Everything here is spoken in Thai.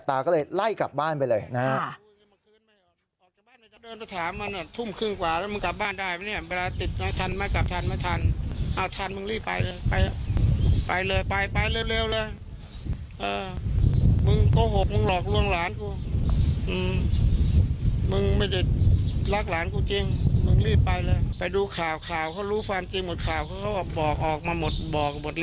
ตาก็เลยไล่กลับบ้านไปเลยนะฮะ